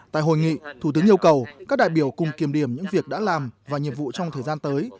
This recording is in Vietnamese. tại hội nghị thủ tướng yêu cầu các đại biểu cùng kiềm điểm những việc đã làm và nhiệm vụ trong thời gian tới